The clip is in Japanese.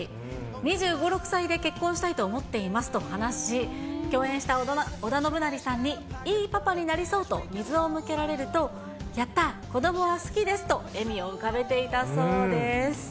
２５、６歳で結婚したいと思っていますと話し、共演した織田信成さんにいいパパになりそうと水を向けられると、やった、子どもは好きですと、笑みを浮かべていたそうです。